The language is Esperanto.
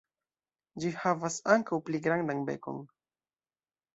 Ĝi havas ankaŭ pli grandan bekon.